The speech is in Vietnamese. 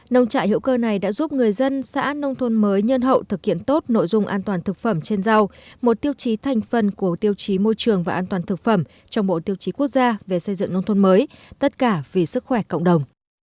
nông trại hữu cơ này đã giúp người dân xã nông thôn mới nhân hậu thực hiện tốt nội dung an toàn thực phẩm trên rau một tiêu chí thành phần của tiêu chí môi trường và an toàn thực phẩm trong bộ tiêu chí quốc gia về xây dựng nông thôn mới tất cả vì sức khỏe cộng đồng